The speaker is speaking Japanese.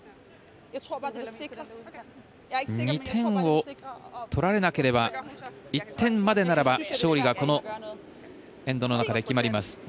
２点を取られなければ１点までならば、勝利がこのエンドの中で決まります。